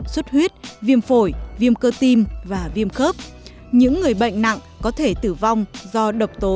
suốt huyết viêm phổi viêm cơ tim và viêm khớp những người bệnh nặng có thể tử vong do độc tố